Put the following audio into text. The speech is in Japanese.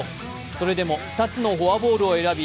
それでも２つのフォアボールを選び